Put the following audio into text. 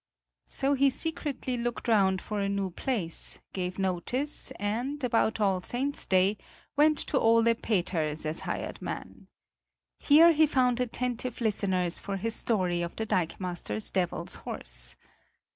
So he secretly looked round for a new place, gave notice and, about All Saints' Day, went to Ole Peters as hired man. Here he found attentive listeners for his story of the dikemaster's devil's horse.